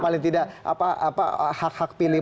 paling tidak hak hak pilih